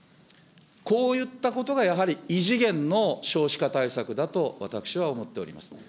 こういったことがやはり異次元の少子化対策だと私は思っております。